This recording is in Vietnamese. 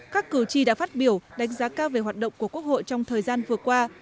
các cử tri đã phát biểu đánh giá cao về hoạt động của quốc hội trong thời gian vừa qua